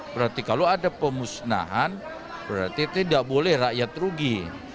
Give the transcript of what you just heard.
berarti kalau ada pemusnahan berarti tidak boleh rakyat rugi